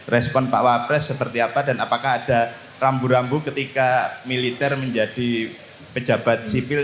respon pak wapres seperti apa dan apakah ada rambu rambu ketika militer menjadi pejabat sipil